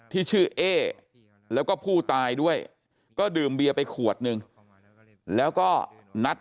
ที่ชื่อเอ๊แล้วก็ผู้ตายด้วยก็ดื่มเบียร์ไปขวดนึงแล้วก็นัด